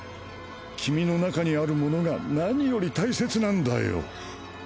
君の中にあるモノが何より大切なんだよ。